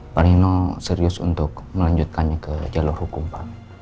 pak nino serius untuk melanjutkannya ke jalur hukum pak